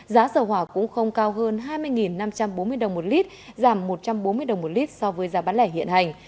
giá dầu hỏa cũng không cao hơn hai mươi năm trăm bốn mươi đồng một lít giảm một trăm bốn mươi đồng một lít so với giá bán lẻ hiện hành